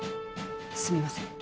すみません。